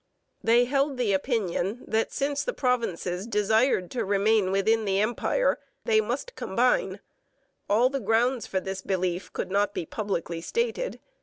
They held the opinion, that since the provinces desired to remain within the Empire, they must combine. All the grounds for this belief could not be publicly stated.